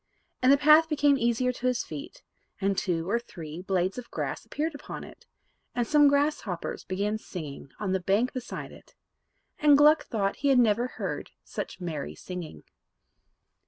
And the path became easier to his feet, and two or three blades of grass appeared upon it, and some grasshoppers began singing on the bank beside it; and Gluck thought he had never heard such merry singing.